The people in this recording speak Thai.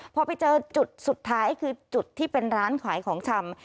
พอไปเจอจุดสุดท้ายคือจุดที่เป็นร้านขายของชำ